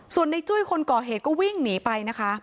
ส่วนในจุ้ยคนก่อเหตุก็วิ่งหนีไปนะคะ